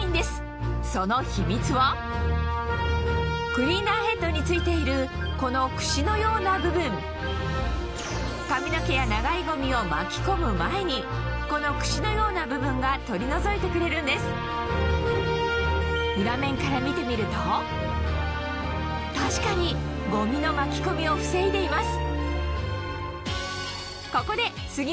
クリーナーヘッドに付いているこのクシのような部分髪の毛や長いゴミを巻き込む前にこのクシのような部分が取り除いてくれるんです裏面から見てみると確かにゴミの巻き込みを防いでいます